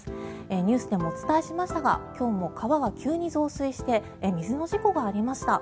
ニュースでもお伝えしましたが今日も川が急に増水して水の事故がありました。